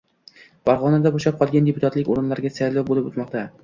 Farg‘onada bo‘shab qolgan deputatlik o‘rinlariga saylov bo‘lib o‘tmoqda